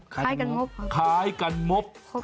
คล้ายกันมบคล้ายกันมบคล้ายกันมบ